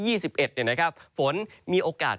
ยี่สิบเอ็ดเนี่ยนะครับฝนมีโอกาส